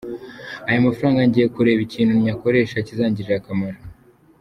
Aya mafaranga ngiye kureba ikintu nyakoresha kizangirira akamaro.